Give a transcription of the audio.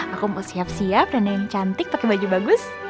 aku mau siap siap dandan yang cantik pake baju bagus